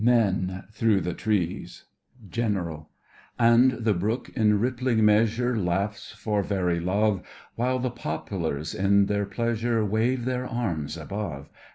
MEN: Through the trees. GENERAL: And the brook, in rippling measure, Laughs for very love, While the poplars, in their pleasure, Wave their arms above.